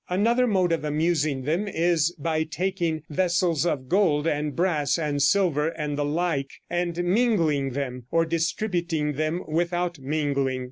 Another mode of amusing them is by taking vessels of gold, and brass, and silver, and the like, and mingling them, or distributing them without mingling.